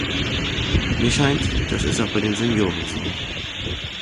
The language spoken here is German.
Mir scheint, das ist auch bei den Senioren so.